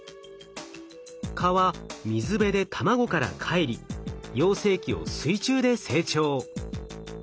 蚊は水辺で卵からかえり幼生期を水中で成長。